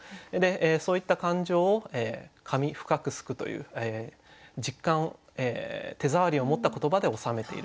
そういった感情を「髪ふかく梳く」という手触りを持った言葉で収めている。